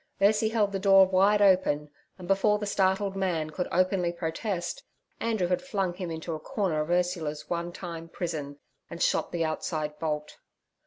Ursie held the door wide open, and before the startled man could openly protest, Andrew had flung him into a corner of Ursula's one time prison and shot the outside bolt.